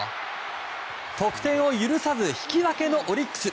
得点を許さず引き分けのオリックス。